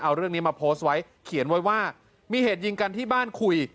เอาเรื่องนี้มาโพสต์ไว้เขียนไว้ว่ามีเหตุยิงกันที่บ้านคุย